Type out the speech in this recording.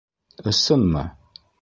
- Ысынмы?